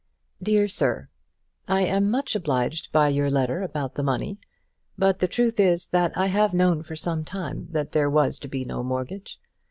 DEAR SIR, I am much obliged by your letter about the money; but the truth is that I have known for some time that there was to be no mortgage.